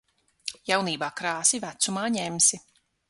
Jaunībā krāsi, vecumā ņemsi.